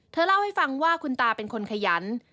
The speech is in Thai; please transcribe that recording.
เล่าให้ฟังว่าคุณตาเป็นคนขยัน